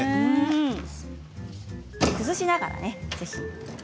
崩しながらぜひ。